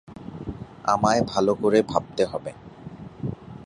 আমায় ভালো করে ভাবতে হবে!